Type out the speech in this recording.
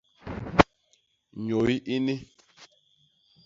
Nyôy ini.